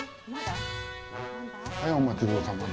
はいお待ちどおさまです。